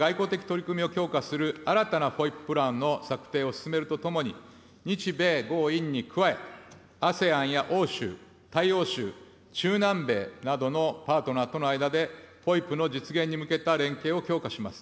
日本は外交的取り組みを強化する新たなＦＯＩＰプランの策定を進めるとともに、日米豪印に加え、ＡＳＥＡＮや欧州、大洋州、中南米などのパートナーとの間でＦＯＩＰの実現に向けた連携を強化します。